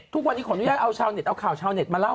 ทุกวันนี้ขออนุญาตเอาข่าวชาวเน็ตมาเล่า